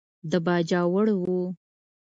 د باجوړ و.